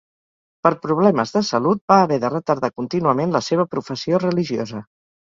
Per problemes de salut va haver de retardar contínuament la seva professió religiosa.